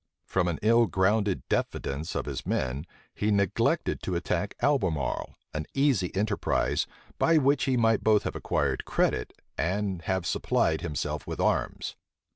From an ill grounded diffidence of his men, he neglected to attack Albemarle; an easy enterprise, by which he might both have acquired credit, and have supplied himself with arms.